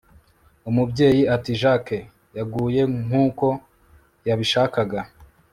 Umubyeyi ati Jack yaguye nkuko yabishakaga